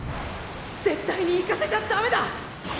絶対に行かせちゃダメだ！